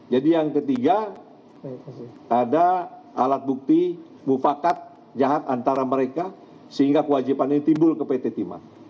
jadi yang ketiga ada alat bukti bufakat jahat antara mereka sehingga kewajiban ini timbul ke pt timah